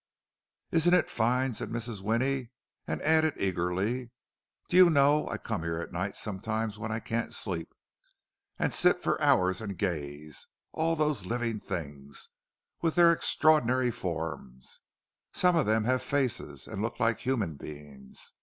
"Isn't it fine!" said Mrs. Winnie, and added eagerly, "Do you know, I come here at night, sometimes when I can't sleep, and sit for hours and gaze. All those living things; with their extraordinary forms—some of them have faces, and look like human beings!